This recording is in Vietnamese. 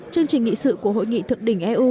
chương trình nghị sự của hội nghị thượng đỉnh eu